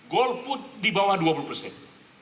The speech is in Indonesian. gol put di bawah dua puluh persen